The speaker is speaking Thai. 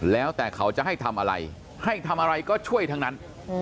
แล้วแต่เขาจะให้ทำอะไรให้ทำอะไรก็ช่วยทั้งนั้น